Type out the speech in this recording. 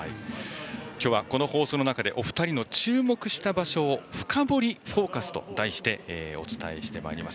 今日は、この放送の中でお二人の注目した場所を「深掘りＦＯＣＵＳ」と題してお伝えしてまいります。